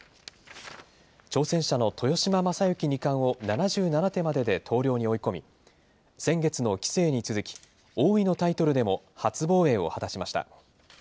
挑戦者の豊島将之二冠を７７手までで投了に追い込み、先月の棋聖に続き、王位のタイトルでも初防衛を果たしました。